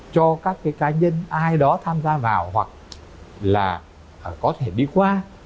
cho các cái cá nhân ai đó tham gia vào hoặc là có thể đi qua